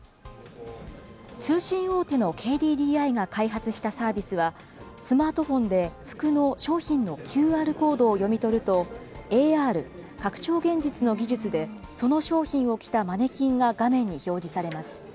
通信大手のＫＤＤＩが開発したサービスは、スマートフォンで服の商品のＱＲコードを読み取ると、ＡＲ・拡張現実の技術で、その商品を着たマネキンが画面に表示されます。